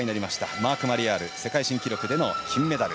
マーク・マリヤールは世界新記録での金メダル。